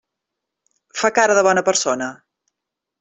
Fa cara de bona persona.